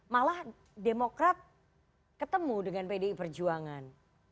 malah demokrat ketemu dengan pdi perjuangan